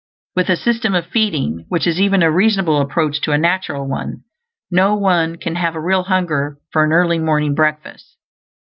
With a system of feeding, which is even a reasonable approach to a natural one, no one can have a real hunger for an early morning breakfast.